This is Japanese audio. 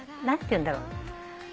何ていうんだろう。